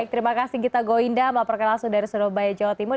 terima kasih gita goinda mbak perkelasudara surabaya jawa timur